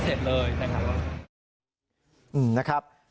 แล้วก็ไม่ได้รังแก่ใครเป็นที่เสพเลย